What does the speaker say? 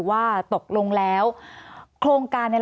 สวัสดีครับทุกคน